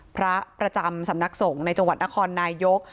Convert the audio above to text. พระประจำสำนักสงฆ์ในจังหวัดนครนายก